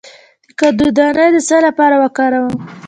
د کدو دانه د څه لپاره وکاروم؟